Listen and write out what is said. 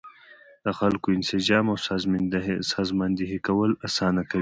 د خلکو انسجام او سازماندهي کول اسانه کوي.